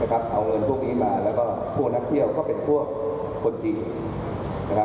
เอาเงินพวกนี้มาแล้วก็พวกนักเที่ยวก็เป็นพวกคนจีนนะครับ